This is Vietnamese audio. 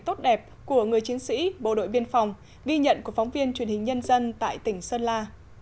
tốt đẹp của người chiến sĩ bộ đội biên phòng ghi nhận của phóng viên truyền hình nhân dân tại tỉnh sơn la